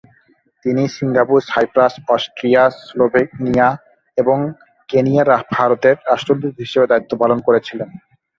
তিনি Singapore, Cyprus, Austria, Slovenia এবং কেনিয়ায় ভারতের রাষ্ট্রদূত হিসাবে দায়িত্ব পালন করেছিলেন।